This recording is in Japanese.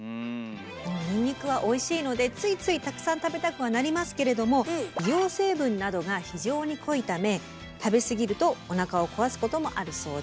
ニンニクはおいしいのでついついたくさん食べたくはなりますけれども硫黄成分などが非常に濃いため食べ過ぎるとおなかを壊すこともあるそうです。